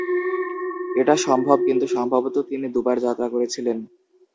এটা সম্ভব, কিন্তু সম্ভবত তিনি দুবার যাত্রা করেছিলেন।